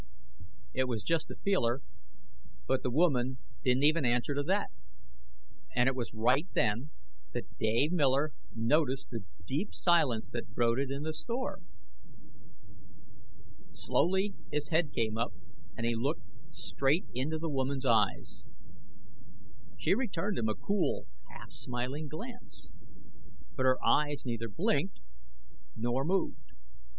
It was just a feeler, but the woman didn't even answer to that. And it was right then that Dave Miller noticed the deep silence that brooded in the store. Slowly his head came up and he looked straight into the woman's eyes. She returned him a cool, half smiling glance. But her eyes neither blinked nor moved.